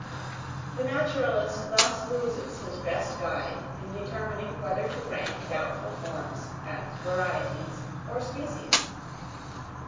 The naturalist thus loses his best guide in determining whether to rank doubtful forms as varieties or species.